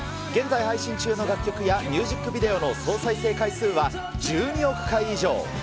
現在配信中の楽曲やミュージックビデオの総再生回数は１２億回以上。